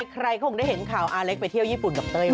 ใครคงได้เห็นข่าวอาเล็กไปเที่ยวญี่ปุ่นกับเต้ย